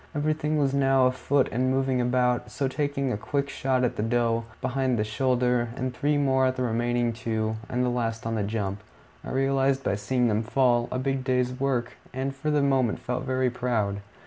Everything was now afoot and moving about, so taking a quick shot at the doe, behind the shoulder, and three more at the remaining two, the last on the jump, I realized, by seeing them fall, a big day's work, and for the moment felt very proud.